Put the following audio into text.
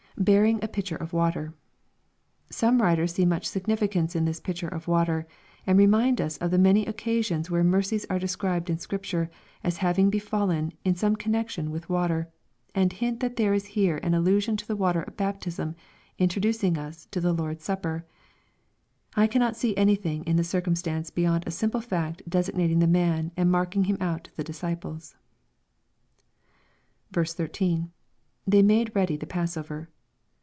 [Bearing a pitcher of water.] Some writers see much signifi cance in this pitcher of water, and remind us of the many occa sions where mercies are described in Scripture as having befallen some in connexion with water, and hint that there is here an allu sion to the water of baptism introducing us to the Lord's supper I I cannot see anything in the circumstance beyond a simple fact designating the man and marking him out to the disciples. 13. — [They made ready the passover.